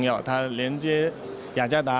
dia berkaitan dengan yajada